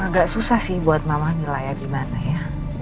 agak susah sih buat mama nilai abimana ya